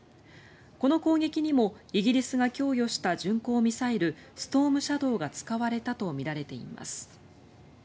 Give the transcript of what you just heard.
この攻撃にもイギリスが供与した巡航ミサイルストームシャドーが使われたとみられています。